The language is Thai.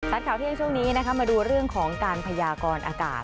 ข่าวเที่ยงช่วงนี้นะคะมาดูเรื่องของการพยากรอากาศ